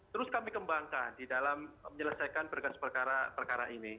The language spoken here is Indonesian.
terus kami kembangkan di dalam menyelesaikan berkas perkara perkara ini